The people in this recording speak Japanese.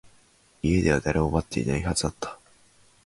家では誰も待っていないはずだった